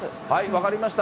分かりました。